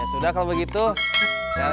moms udah kembali ke tempat yang sama